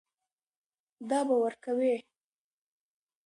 دا به ورکوې.